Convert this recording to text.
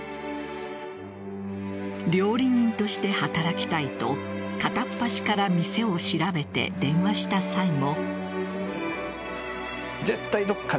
料理人として働きたいと片っ端から店を調べて電話した際も。